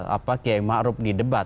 apa kiai maruf di debat